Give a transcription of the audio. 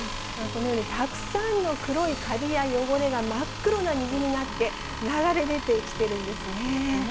このようにたくさんの黒いカビや汚れが真っ黒な水になって、流れ出てきてるんですね。